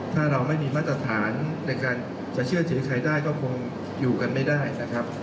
ถ้าเราไม่มีมาตรฐานในการจะเชื่อถือใครได้ก็คงอยู่กันไม่ได้นะครับ